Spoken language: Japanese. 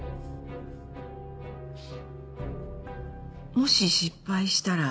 もし失敗したら？